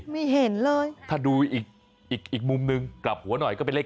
ไม่เห็นเลยถ้าดูอีกอีกมุมนึงกลับหัวหน่อยก็เป็นเลข